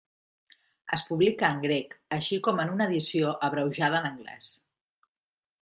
Es publica en grec, així com en una edició abreujada en anglès.